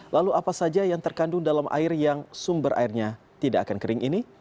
lalu apa saja yang terkandung dalam air yang sumber airnya tidak akan kering ini